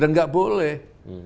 dan gak boleh